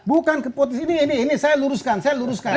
bukan keputusan ini saya luruskan saya luruskan